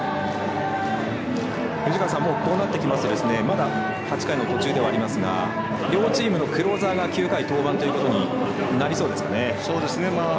こうなってきますとまだ８回の途中ではありますが両チームのクローザーが９回に登板ということになりそうですね。